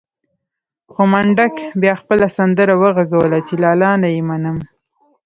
خو منډک بيا خپله سندره وغږوله چې لالا نه يې منم.